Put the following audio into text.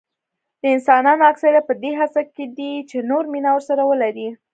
د انسانانو اکثریت په دې هڅه کې دي چې نور مینه ورسره ولري.